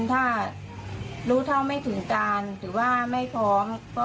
ถ้ารู้เท่าไม่ถึงการถือว่าไม่ฟ้อง